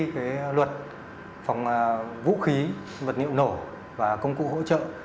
cái luật phòng vũ khí vật liệu nổ và công cụ hỗ trợ